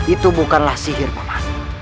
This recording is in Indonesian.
itu bukanlah sihir paman